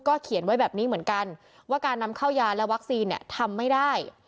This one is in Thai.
เขียนไว้แบบนี้เหมือนกันว่าการนำเข้ายาและวัคซีนเนี่ยทำไม่ได้